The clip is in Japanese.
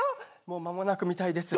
もう間もなくみたいです。